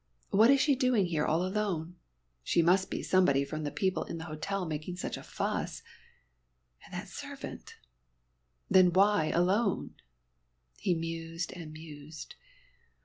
What is she doing here all alone? She must be somebody from the people in the hotel making such a fuss and that servant Then why alone?" He mused and mused.